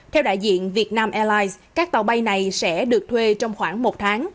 theo đại diện vietnam airlines các tàu bay này sẽ được thuê trong khoảng một tháng